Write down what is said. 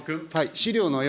資料の４。